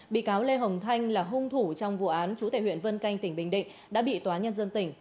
bị cáo lê hồng thanh là hung thủ trong vụ án chú tệ huyện vân canh tỉnh bình định đã bị tòa nhân dân tỉnh